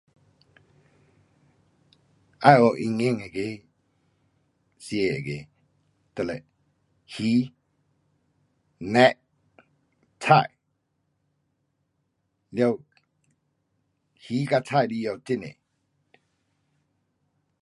要有营养那个吃那个，就得鱼，肉，菜。了鱼跟菜要拿很多。